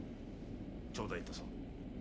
頂戴いたそう。